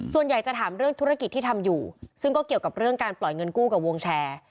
ส่วนใหญ่จะถามเรื่องธุรกิจที่ทำอยู่ซึ่งก็เกี่ยวกับเรื่องการปล่อยเงินกู้กับวงแชร์